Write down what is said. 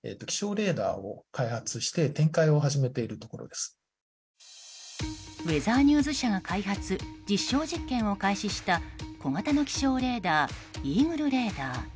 実は、世界の環境問題にウェザーニューズ社が開発実証実験を開始した小型の気象レーダーＥＡＧＬＥレーダー。